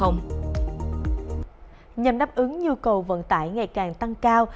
nhằm đáp ứng nhu cầu vận tải ngày càng tăng cao